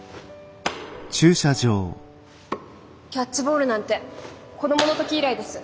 キャッチボールなんて子供の時以来です。